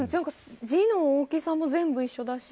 字の大きさも全部一緒だし。